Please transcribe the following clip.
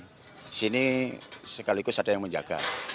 di sini sekaligus ada yang menjaga